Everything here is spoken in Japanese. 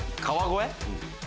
川越？